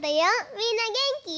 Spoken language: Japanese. みんなげんき？